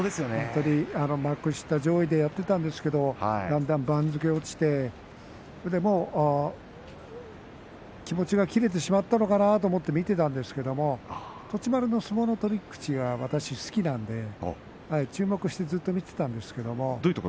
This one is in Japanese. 幕下上位でやっていたんですけれど番付が落ちて気持ちが切れてしまったのかなと思って見ていたんですけれど栃丸の相撲の取り口が私は好きなので注目してずっと見ていたんですけれど。